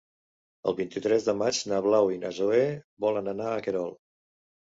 El vint-i-tres de maig na Blau i na Zoè volen anar a Querol.